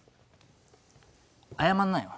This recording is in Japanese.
謝んなよ。